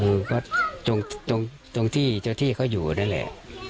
อืมก็ตรงตรงที่เจ้าที่เขาอยู่นั่นแหละ